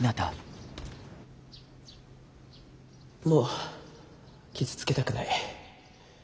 もう傷つけたくない。